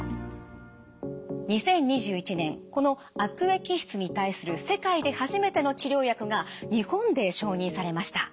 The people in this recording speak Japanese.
２０２１年この悪液質に対する世界で初めての治療薬が日本で承認されました。